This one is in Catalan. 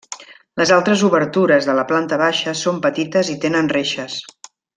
Les altres obertures de la planta baixa són petites i tenen reixes.